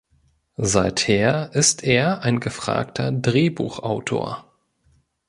Seither ist er ein gefragter Drehbuchautor.